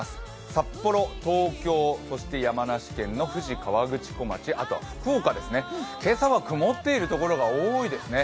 札幌、東京、そして山梨県の富士河口湖町、あと福岡ですね、今朝は曇っているところが多いですね。